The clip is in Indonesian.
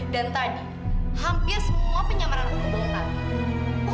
dan tadi hampir semua penyamaran aku belum tahu